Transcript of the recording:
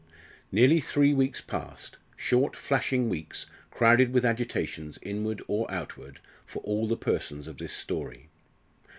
Nearly three weeks passed short flashing weeks, crowded with agitations, inward or outward, for all the persons of this story.